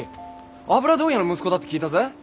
油問屋の息子だって聞いたぜ。